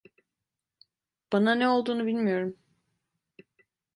Bana ne olduğunu bilmiyorum.